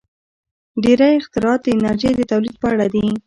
• ډېری اختراعات د انرژۍ د تولید په اړه دي.